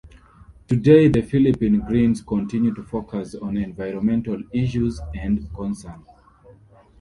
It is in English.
Today, the Philippine Greens continue to focus on environmental issues and concerns.